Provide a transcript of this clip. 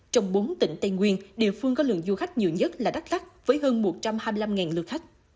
trong bốn tỉnh tây nguyên địa phương có lượng du khách nhiều nhất là đắk lắc với hơn một trăm hai mươi năm lượt khách